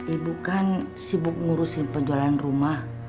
ibu kan sibuk ngurusin penjualan rumah